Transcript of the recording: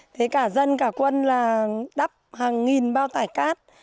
thế cả dân cả quân là đắp hàng nghìn bao tải cát